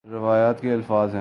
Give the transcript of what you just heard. روایت کے الفاظ ہیں